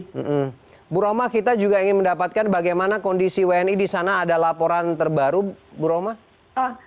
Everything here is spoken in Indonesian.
ibu roma kita juga ingin mendapatkan bagaimana kondisi wni di sana ada laporan terbaru bu romah